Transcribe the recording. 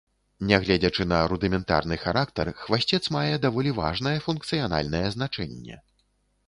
Нягледзячы на рудыментарны характар, хвасцец мае даволі важнае функцыянальнае значэнне.